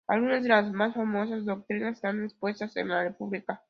Algunas de sus más famosas doctrinas están expuestas en "La República".